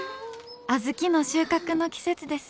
小豆の収穫の季節です。